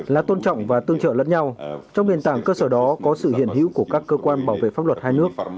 là tôn trọng và tương trợ lẫn nhau trong nền tảng cơ sở đó có sự hiện hữu của các cơ quan bảo vệ pháp luật hai nước